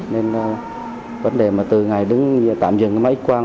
nên vấn đề mà từ ngày đứng tạm dừng máy x quan